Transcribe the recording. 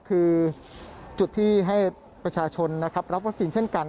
คือจุดที่ให้ประชาชนนะครับรับวัคซีนเช่นกัน